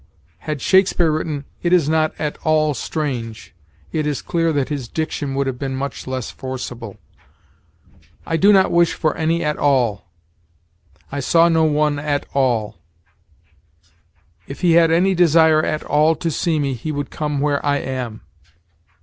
Had Shakespeare written, "It is not at all strange," it is clear that his diction would have been much less forcible. "I do not wish for any at all"; "I saw no one at all"; "If he had any desire at all to see me, he would come where I am."